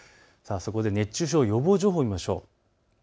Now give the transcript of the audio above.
熱中症予防情報を見ましょう。